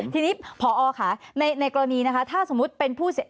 ทีนี้ผอค่ะในกรณีถ้าสมมุติเป็นผู้เสีย